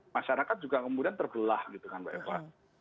masyarakat juga kemudian terbelah gitu kan mbak eva